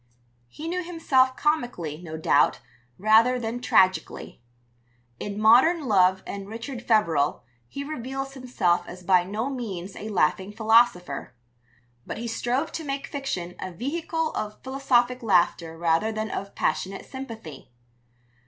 He knew himself comically, no doubt, rather than tragically. In Modern Love and Richard Feverel he reveals himself as by no means a laughing philosopher; but he strove to make fiction a vehicle of philosophic laughter rather than of passionate sympathy.